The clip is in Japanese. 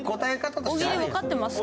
大喜利わかってますか？